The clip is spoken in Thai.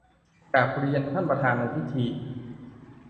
กราบเรียนท่านประธานในพิธี